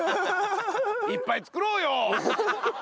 いっぱい作ろうよ！